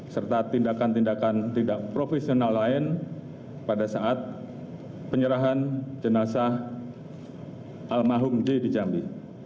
serta tindakan tindakan tidak profesional lain pada saat penyerahan jenazah almarhum j di jambi